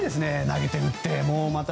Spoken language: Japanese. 投げて打って。